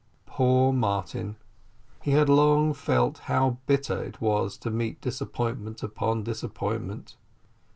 Poor Martin! he had long felt how bitter it was to meet disappointment upon disappointment.